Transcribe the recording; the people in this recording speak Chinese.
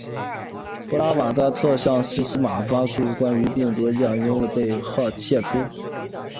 佐布拉斯特向西姆斯发送的关于病毒的影片消息被泄出。